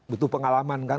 butuh pengalaman kan